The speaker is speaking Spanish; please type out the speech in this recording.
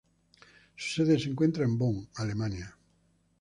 Su sede se encuentra en Bonn, Alemania.